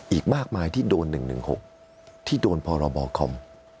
อีกมากมายที่โดน๑๑๖ที่โดนพรบคอม